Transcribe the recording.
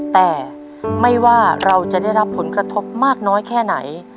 แต่ไม่ว่าเราจะได้รับผลกระทบมากน้อยแค่ไหน